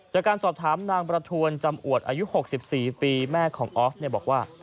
จากการสอบถามนางประทวนจำอวดอายุ๖๔ปีแม่ของออฟบอกว่า